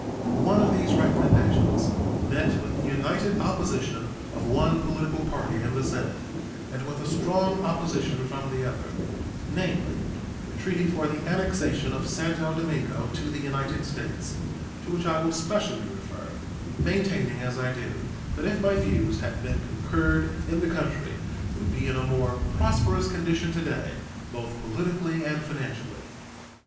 One of these recommendations met with the united opposition of one political party in the Senate and with a strong opposition from the other, namely, the treaty for the annexation of Santo Domingo to the United States, to which I will specially refer, maintaining, as I do, that if my views had been concurred in the country would be in a more prosperous condition to day, both politically and financially.